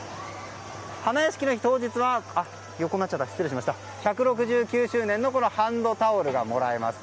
花やしきの日当日は１６９周年のハンドタオルがもらえます。